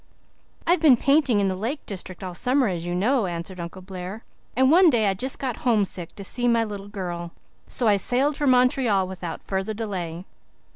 "I've been painting in the Lake District all summer, as you know," answered Uncle Blair, "and one day I just got homesick to see my little girl. So I sailed for Montreal without further delay.